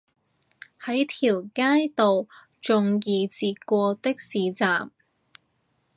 喺條街度仲易截過的士站